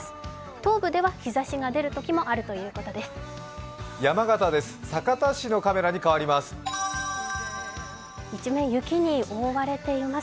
東部では日ざしが出るときもあるということです。